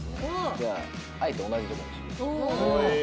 じゃああえて同じところにします。